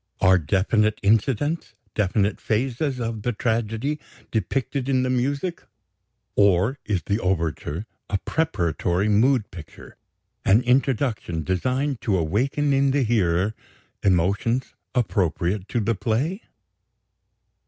Are definite incidents, definite phases, of the tragedy, depicted in the music? Or is the overture a preparatory mood picture, an introduction designed to awaken in the hearer emotions appropriate to the play?